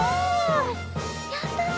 やったね！